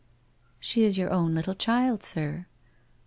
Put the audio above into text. ' She is your own little child, sir.'